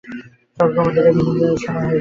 সকল কমান্ডারেরা, মিটিং এর সময় হয়েছে।